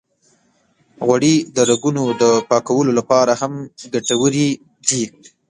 غوړې د رګونو د پاکولو لپاره هم ګټورې دي.